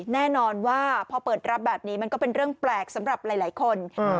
แน่นอนว่าพอเปิดรับแบบนี้มันก็เป็นเรื่องแปลกสำหรับหลายคน